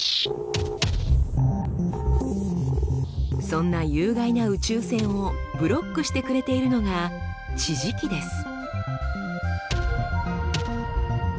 そんな有害な宇宙線をブロックしてくれているのが地磁気です。